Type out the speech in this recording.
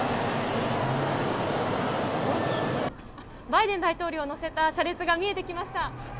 バイデン大統領を乗せた車列が見えてきました。